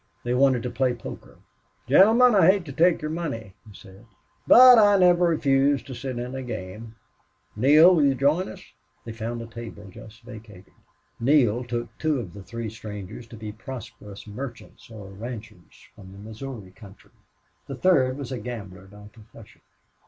They wanted to play poker. "Gentlemen, I hate to take your money," he said. "But I never refuse to sit in a game. Neale, will you join us?" They found a table just vacated. Neale took two of the three strangers to be prosperous merchants or ranchers from the Missouri country. The third was a gambler by profession.